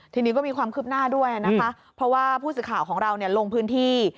ทีนี้ก็มีความคืบหน้าด้วยนะคะเพราะว่าผู้สื่อข่าวของเราลงพื้นที่